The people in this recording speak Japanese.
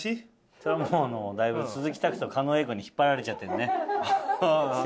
それはもうだいぶ鈴木拓と狩野英孝に引っ張られちゃってるね。